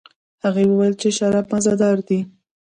هغې وویل چې شراب مزه دار دي.